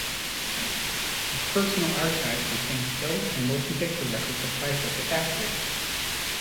His personal archive contains still and motion-picture records of life at The Factory.